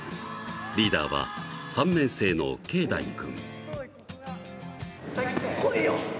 リーダーは３年生のけいだい君。